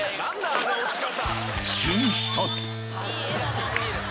あの落ち方。